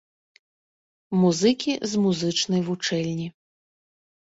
Музыкі, з музычнай вучэльні.